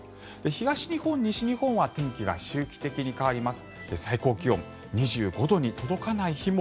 東日本、西日本は天気が周期的に変わります。